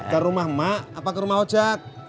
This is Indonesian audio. ke rumah mak apa ke rumah ojek